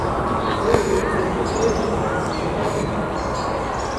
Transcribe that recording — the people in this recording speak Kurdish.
Ol û netew jî ji hev e.